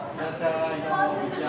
こんにちは。